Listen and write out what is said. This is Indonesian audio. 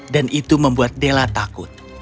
dan itu membuat della takut